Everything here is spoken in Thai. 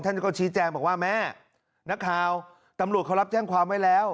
ท่านก็ชี้แจงบอกว่าแม่นักข่าวตำรวจเขารับแจ้งความไว้แล้ว